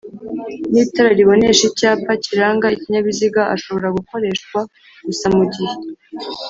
nitara ribonesha icyapa kiranga ikinyabiziga ashobora gukoreshwa gusa mu gihe